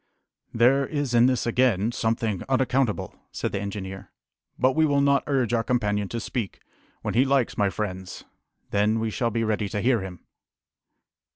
"There is in this, again, something unaccountable," said the engineer; "but we will not urge our companion to speak. When he likes, my friends, then we shall be ready to hear him!"